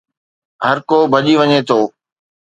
هرڪو ڀڄي وڃي ٿو